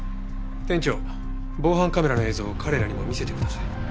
店長防犯カメラの映像を彼らにも見せてください。